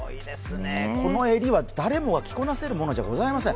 この襟は誰もが着こなせるものではございません。